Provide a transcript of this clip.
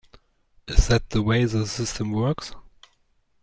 Is that the way the system works?